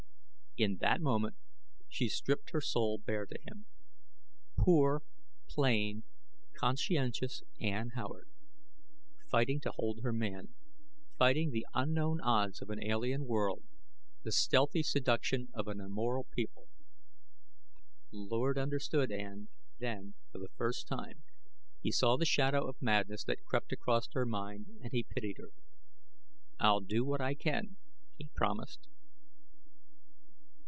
In that moment she stripped her soul bare to him. Poor, plain, conscientious Ann Howard! Fighting to hold her man; fighting the unknown odds of an alien world, the stealthy seduction of an amoral people. Lord understood Ann, then, for the first time; he saw the shadow of madness that crept across her mind; and he pitied her. "I'll do what I can," he promised.